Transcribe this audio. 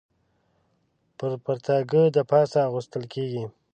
پر پرتاګه د پاسه اغوستل کېږي.